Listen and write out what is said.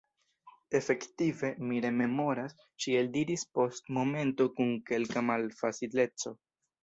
Efektive, mi rememoras, ŝi eldiris post momento kun kelka malfacileco.